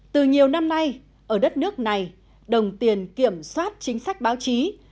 từ nhiều năm nay ở đất nước này đồng tiền kiểm soát chính sách báo chí